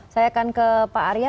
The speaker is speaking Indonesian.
saya akan ke pak arya